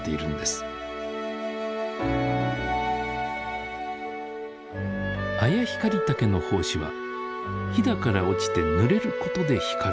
アヤヒカリタケの胞子はひだから落ちてぬれることで光るといいます。